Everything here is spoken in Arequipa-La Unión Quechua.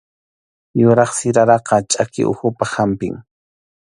Yuraq siraraqa chʼaki uhupaq hampim